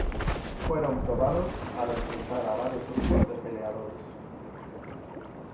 Fueron probados al enfrentar a varios grupos de peleadores.